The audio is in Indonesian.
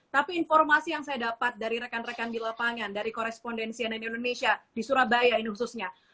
tapi informasi yang saya dapat dari rekan rekan di lapangan dari korespondensi ann indonesia di surabaya ini khususnya